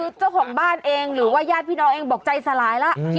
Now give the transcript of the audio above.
คือเจ้าของบ้านเองหรือว่าญาติพี่น้องเองบอกใจสลายแล้ว